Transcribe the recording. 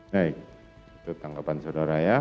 baik itu tanggapan saudara ya